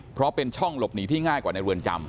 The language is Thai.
เพราะเป็นช่องหลบหนีที่ง่ายกว่าในเรือนจำ